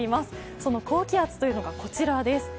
その高気圧というのがこちらです。